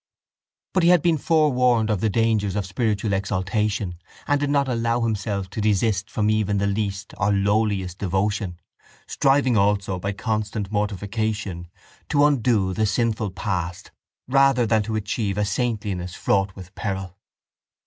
But he had been forewarned of the dangers of spiritual exaltation and did not allow himself to desist from even the least or lowliest devotion, striving also by constant mortification to undo the sinful past rather than to achieve a saintliness fraught with peril.